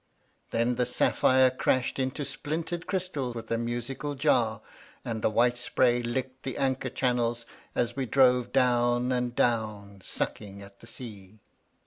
Then the sapphire crashed into splintered crystal with a musical jar, and the white spray licked the anchor channels as we drove down and down, sucking at the sea.